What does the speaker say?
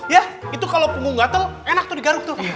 ya itu kalau punggung gatel enak tuh digaruk tuh